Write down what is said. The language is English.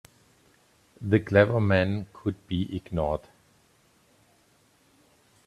The clever men could be ignored.